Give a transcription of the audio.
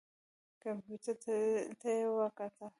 کمپیوټر ته یې وکتل.